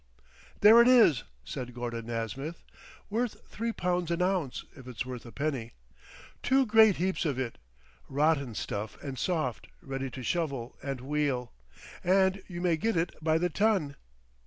"There it is," said Gordon Nasmyth, "worth three pounds an ounce, if it's worth a penny; two great heaps of it, rotten stuff and soft, ready to shovel and wheel, and you may get it by the ton!"